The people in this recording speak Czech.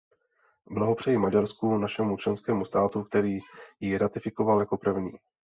Blahopřeji Maďarsku, našemu členskému státu, který ji ratifikoval jako první.